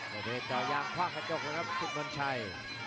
จะได้ก่อย่างคว่าข้างกระจกแล้วครับสิทธิ์มนต์ชัย